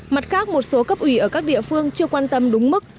mặt khác một số cấp ủy ở các địa phương chưa quan tâm đúng mức